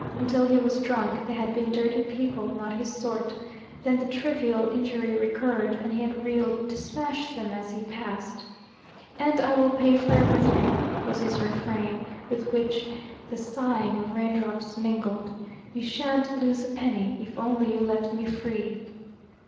Until he was drunk, they had been dirty people not his sort. Then the trivial injury recurred, and he had reeled to smash them as he passed. "And I will pay for everything," was his refrain, with which the sighing of raindrops mingled. "You shan't lose a penny, if only you let me free."